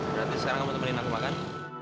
berarti sekarang kamu temenin aku makan